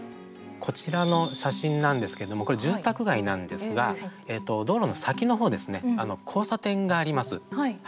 こちらの写真なんですけれども住宅街なんですが道路の先のほう交差点があります。